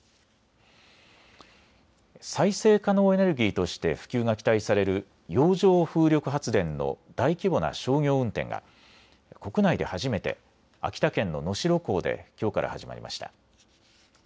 再生可能エネルギーとして普及が期待される洋上風力発電の大規模な商業運転が国内で初めて秋田県の能代港できょうから始まりました。